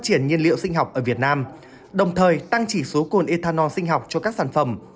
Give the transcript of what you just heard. triển nhiên liệu sinh học ở việt nam đồng thời tăng chỉ số cồn ethanol sinh học cho các sản phẩm